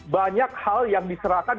banyak hal yang diserahkan